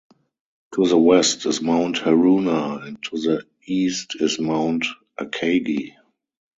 To the west is Mount Haruna, and to the east is Mount Akagi.